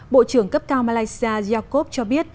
bộ trưởng cấp cao malaysia jakob cho biết